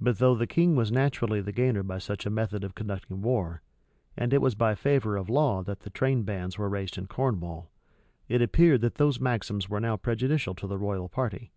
But though the king was naturally the gainer by such a method of conducting war, and it was by favor of law that the train, bands were raised in Cornwall, it appeared that those maxims were now prejudicial to the royal party.